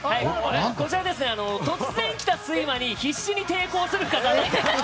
突然来た睡魔に必死に抵抗する深澤です。